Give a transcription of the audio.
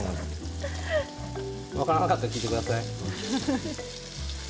分からなかったら聞いてください。